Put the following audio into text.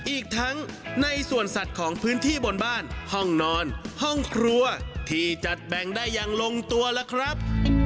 อีกทั้งในส่วนสัตว์ของพื้นที่บนบ้านห้องนอนห้องครัวที่จัดแบ่งได้อย่างลงตัวล่ะครับ